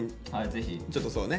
ちょっとそうね。